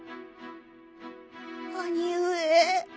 兄上。